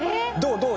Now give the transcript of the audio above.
どう？